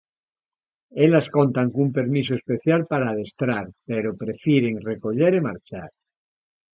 Elas contan cun permiso especial para adestrar, pero prefiren recoller e marchar.